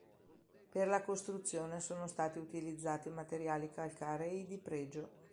Per la costruzione sono stati utilizzati materiali calcarei di pregio.